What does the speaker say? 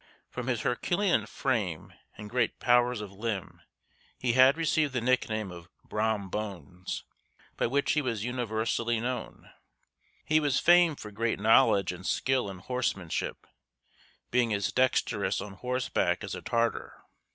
From his Herculean frame and great powers of limb, he had received the nickname of BROM BONES, by which he was universally known. He was famed for great knowledge and skill in horsemanship, being as dexterous on horseback as a Tartar.